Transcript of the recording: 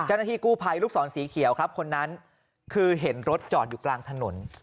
เจ้าหน้าที่กู้ภัยลูกศรสีเขียวครับคนนั้นคือเห็นรถจอดอยู่กลางถนน